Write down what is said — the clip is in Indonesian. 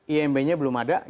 imb nya belum ada